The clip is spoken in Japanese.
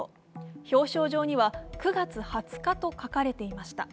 表彰状には９月２０日と書かれていました。